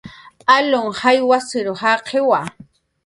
Alunh jay wasir jaqiwa